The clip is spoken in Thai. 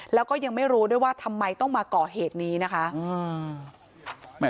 แล้วก็ยังไม่รู้ด้วยว่าทำไมต้องมาก่อเหตุนี้นะคะ